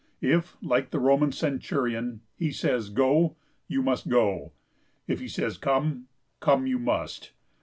If, like the Roman centurion, he says 'Go,' you must go. If he says 'Come,' come you must.